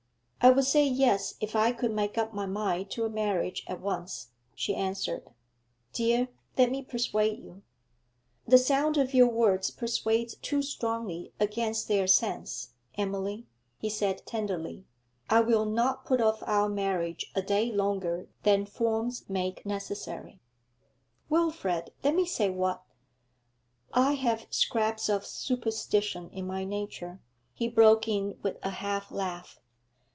'I would say yes if I could make up my mind to a marriage at once,' she answered. 'Dear, let me persuade you.' 'The sound of your words persuades too strongly against their sense, Emily,' he said tenderly. 'I will not put off our marriage a day longer than forms make necessary.' 'Wilfrid, let me say what ' 'I have scraps of superstition in my nature,' he broke in with a half laugh.